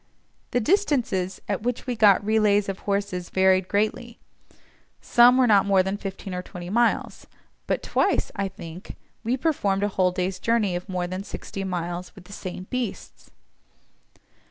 The distances at which we got relays of horses varied greatly; some were not more than fifteen or twenty miles, but twice, I think, we performed a whole day's journey of more than sixty miles with the same beasts.